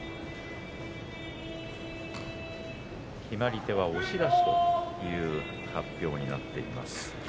決まり手は押し出しという発表になっています。